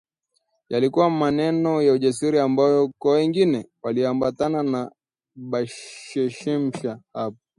Yalikuwa maneno ya ujasiri ambayo kwa wengine walioambatana na Ba’Shemsa hapo